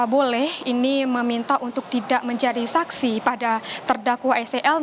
boleh ini meminta untuk tidak menjadi saksi pada terdakwa sel